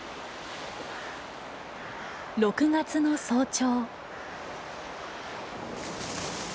６月の早朝。